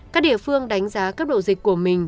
các địa phương đánh giá cấp độ dịch của mình